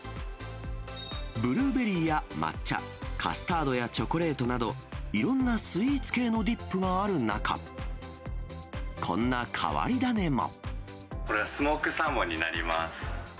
ブルーベリーや抹茶、カスタードやチョコレートなど、いろんなスイーツ系のディップがある中、これはスモークサーモンになります。